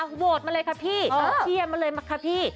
โหวตมาเลยค่ะพี่ตอบเชียมมาเลยค่ะพี่